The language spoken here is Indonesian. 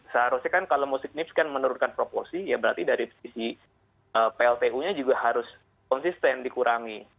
seharusnya kan kalau musik nips kan menurunkan proporsi ya berarti dari sisi pltu nya juga harus konsisten dikurangi